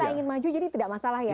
saya ingin maju jadi tidak masalah ya